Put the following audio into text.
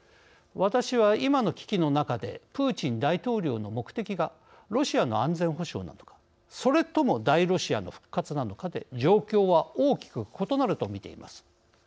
私は、今の危機の中でプーチン大統領の目的がロシアの安全保障なのかそれとも大ロシアの復活なのかで状況は大きく異なるとみています。